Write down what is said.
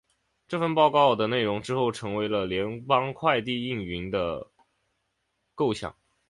这份报告的内容之后成为了联邦快递营运的构想。